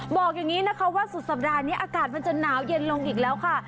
บอกอย่างนี้นะคะว่าสุดสัปดาห์นี้อากาศมันจะหนาวเย็นลงอีกแล้วค่ะ